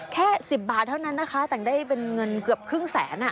แค่๑๐บาทเท่านั้นนะคะแต่งได้เป็นเงินเกือบครึ่งแสน